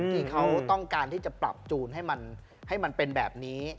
ที่เขาต้องการที่จะปรับจูนให้มันให้มันเป็นแบบนี้